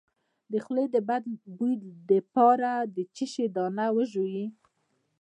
د خولې د بد بوی لپاره د څه شي دانه وژويئ؟